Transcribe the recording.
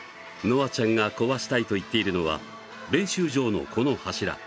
あちゃんが壊したいと言っているのは練習場の柱。